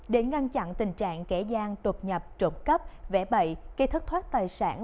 để ngăn chặn tình trạng kẻ gian trột nhập trột cấp vẽ bậy cây thất thoát tài sản